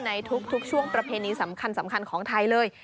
ในทุกช่วงประเพณีสำคัญของไทยเลย